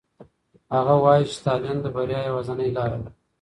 هغه وایي چې تعلیم د بریا یوازینۍ لاره ده.